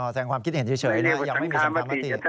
แสดงความคิดเห็นเฉยยังไม่มีประชามติ